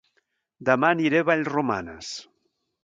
Dema aniré a Vallromanes